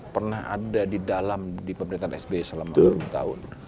pernah ada di dalam di pemerintahan sby selama sepuluh tahun